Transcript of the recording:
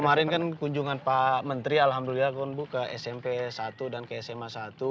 kemarin kan kunjungan pak menteri alhamdulillah kan bu ke smp satu dan ke sma satu